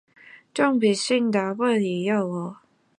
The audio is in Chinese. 语句通俗自然